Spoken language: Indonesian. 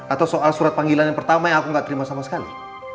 atau soal surat panggilan yang pertama yang aku nggak terima sama sekali